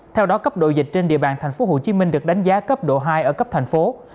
theo đó cấp độ dịch trên địa bàn tp hcm được đánh giá cấp độ hai ở cấp thành phố